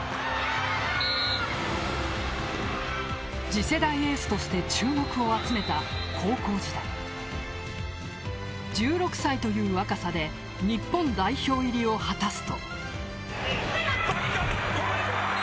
次世代エースとして注目を集めた高校時代１６歳という若さで日本代表入りを果たすと。